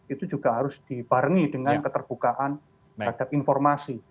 itu juga harus dibarengi dengan keterbukaan terhadap informasi